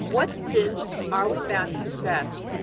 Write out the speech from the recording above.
What sins are we bound to confess?